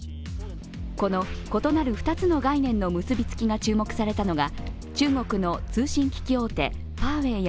この異なる２つの概念の結びつきが注目されたのは中国の通信機器大手、ファーウェイや